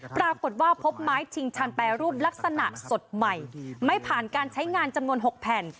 พบว่าพบไม้ชิงชันแปรรูปลักษณะสดใหม่ไม่ผ่านการใช้งานจำนวน๖แผ่น